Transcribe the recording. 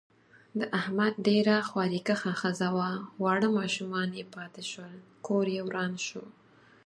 د احمد ډېره خواریکښه ښځه وه، واړه ماشومان یې پاتې شول. کوریې وران شو.